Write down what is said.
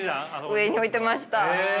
上に置いてました。